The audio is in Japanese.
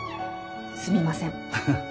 すみません。